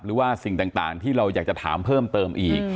หรือว่าสิ่งต่างที่เราอยากจะถามเพิ่มเติมอีก